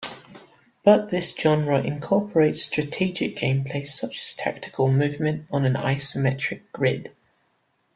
But this genre incorporates strategic gameplay such as tactical movement on an isometric grid.